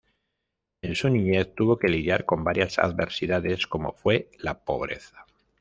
En su niñez tuvo que lidiar con varias adversidades, como fue la pobreza.